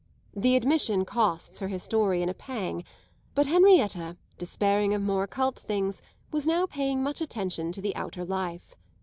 The admission costs her historian a pang, but Henrietta, despairing of more occult things, was now paying much attention to the outer life.